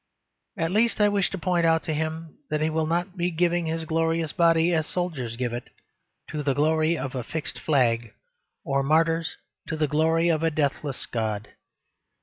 At least, I wish to point out to him that he will not be giving his glorious body as soldiers give it, to the glory of a fixed flag, or martyrs to the glory of a deathless God.